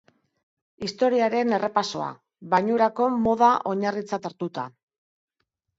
Historiaren errepasoa, bainurako moda oinarritzat hartuta.